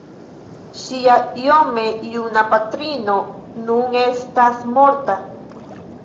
Ŝia iome juna patrino nun estas morta.